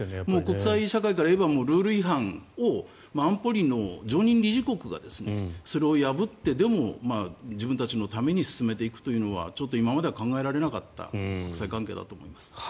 国際社会から言えばルール違反を安保理の常任理事国がそれを破ってでも自分たちのために進めていくというのはちょっと今までは考えられなかった国際関係だと思います。